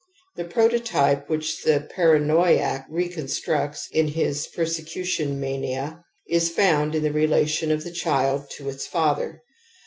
The prototype^ which the paranoiac reconstructs in his persecu I tion mania, is found in the relation of the childji to its father.